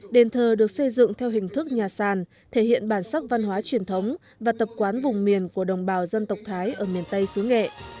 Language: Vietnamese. đền thờ được xây dựng theo hình thức nhà sàn thể hiện bản sắc văn hóa truyền thống và tập quán vùng miền của đồng bào dân tộc thái ở miền tây xứ nghệ